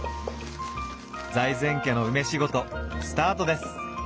財前家の梅仕事スタートです。